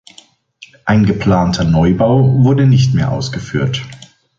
Ein geplanter Neubau wurde nicht mehr ausgeführt.